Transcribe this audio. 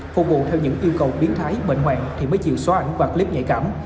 phục vụ theo những yêu cầu biến thái bệnh hoạn thì mới chịu xóa ảnh và clip nhạy cảm